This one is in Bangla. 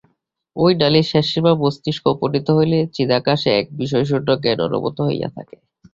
ঐ নালীর শেষ সীমা মস্তিষ্কে উপনীত হইলে চিদাকাশে এক বিষয়শূন্য জ্ঞান অনুভূত হইয়া থাকে।